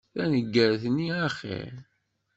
Taneggart-nni axir.